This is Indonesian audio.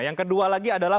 yang kedua lagi adalah